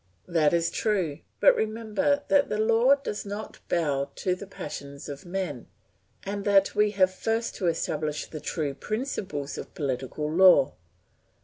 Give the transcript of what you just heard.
That is true; but remember that the law does not bow to the passions of men, and that we have first to establish the true principles of political law.